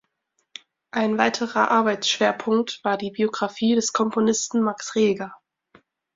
Ein weiterer Arbeitsschwerpunkt war die Biographie des Komponisten Max Reger.